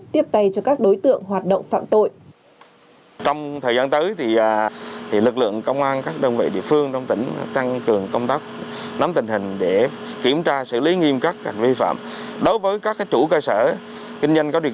tiếp tay cho các đối tượng hoạt động phạm tội